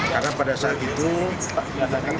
kenapa saya harus melaporkan ini